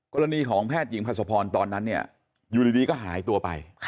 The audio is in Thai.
กรณีของแพทย์หญิงพัสพรตอนนั้นเนี่ยอยู่ดีก็หายตัวไป